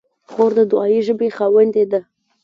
خور د دعایي ژبې خاوندې ده.